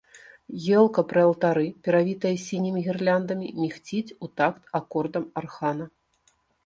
Елка пры алтары, перавітая сінімі гірляндамі, мігціць у такт акордам аргана.